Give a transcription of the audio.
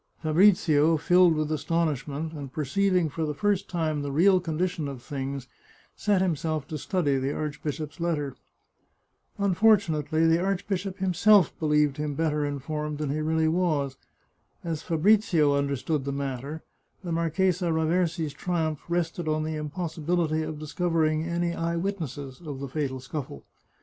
Fabrizio, filled with astonishment, and perceiving for the first time the real condition of things, set himself to study the archbishop's letter. Unfortunately the archbishop himself believed him better informed than he really was. As Fabrizio understood the matter, the Marchesa Raversi's triumph rested on the impossibility of discovering any eye witnesses of the fatal scuffle.